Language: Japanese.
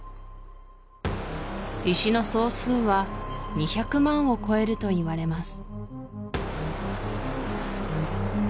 石の総数は２００万を超えるといわれます